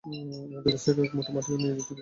আমার দেশ থেকে এক মুঠো মাটিও নিয়ে যেতে দিব না তোকে।